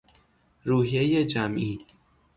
روحیهی جمعی